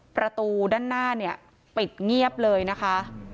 ประตูด้านหน้าเนี่ยปิดเงียบเลยนะคะ